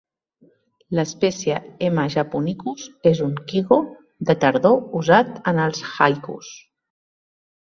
L'espècie "M. japonicus" és un "kigo" de tardor usat en els haikus.